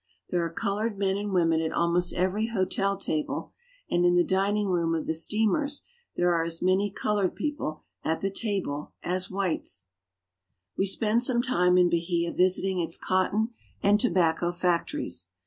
There are colored men and women at almost every hotel table, and in the dining room of the steamers there are as many colored people at the table as whites. 288 BRAZIL. We spend some time in Bahia visiting its cotton and tobacco factories.